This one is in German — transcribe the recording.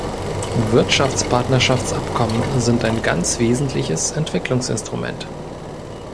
Wirtschaftspartnerschaftsabkommen sind ein ganz wesentliches Entwicklungsinstrument.